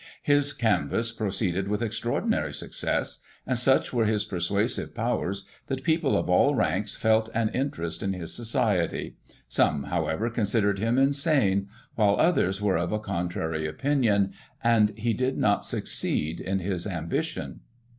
His canvass proceeded with extraordinary success; and, such were his persuasive powers, that people of all ranks felt an interest in his society ; some, however, considered him insane, while others were of a contrary opinion, and he did not succeed in his ambition.